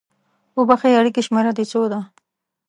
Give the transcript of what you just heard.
اوبښئ! اړیکې شمیره د څو ده؟